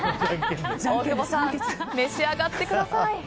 大久保さん召し上がってください。